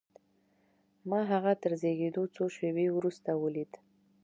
ما هغه تر زېږېدو څو شېبې وروسته وليد.